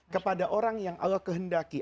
kepada orang yang allah kehendaki